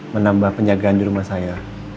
menambah penjagaan di rumah saya